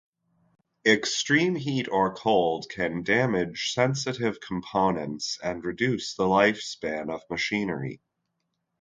Extreme heat or cold can damage sensitive components and reduce the lifespan of machinery.